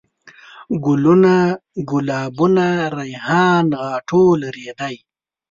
ګلوونه ،ګلابونه ،ريحان ،غاټول ،رېدی